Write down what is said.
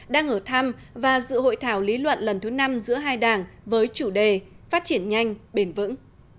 đang ở thăm và dự hội thảo lý luận lần thứ năm giữa hai đảng với chủ đề phát triển nhanh bền vững